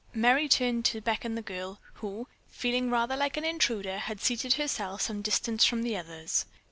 Merry turned to beckon the girl, who, feeling rather like an intruder, had seated herself some distance from the others.